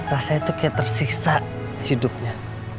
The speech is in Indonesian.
rasanya tuh kayak tersisa hidupnya